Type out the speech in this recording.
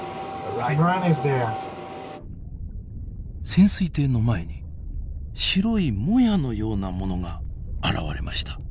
潜水艇の前に白いもやのようなものが現れました。